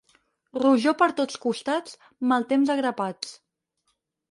Rojor per tots costats, mal temps a grapats.